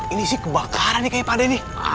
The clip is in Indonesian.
ini sih kebakaran nih kayaknya pak de nih